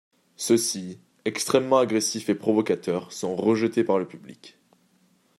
Ceux-ci, extrêmement agressifs et provocateurs, sont rejetés par le public.